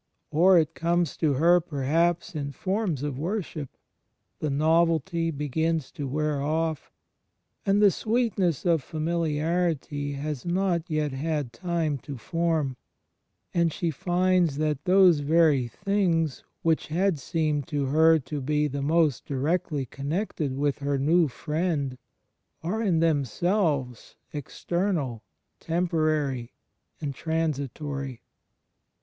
Or it comes to her, perhaps, in forms of wor ship. The novelty begins to wear off, and the sweet ness of familiarity has not yet had time to form; and she finds that those very things which had seemed to her to be the most directly connected with her new Friend are in themselves external, temporary and tran CHRIST IN THE INTERIOR SOUL 2$ sitory.